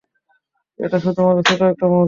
এটা শুধুমাত্র ছোট একটা মুহূর্ত।